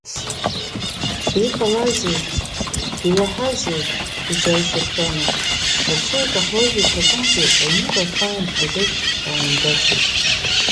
Иҟалазеи, иуаҳазеи иџьалшьеит Хана, Арсоу акаҳуажәырҭа аҟынтәи аҩныҟа ахаан ажәабжьк ааимгацызт.